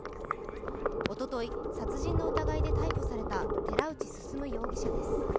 おととい殺人の疑いで逮捕された寺内進容疑者です。